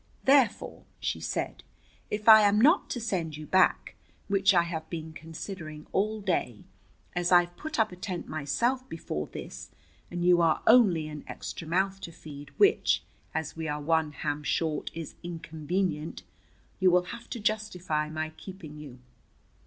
"Therefore," she said, "if I am not to send you back which I have been considering all day, as I've put up a tent myself before this, and you are only an extra mouth to feed, which, as we are one ham short, is inconvenient you will have to justify my keeping you."